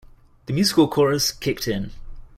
The musical chorus kicked in.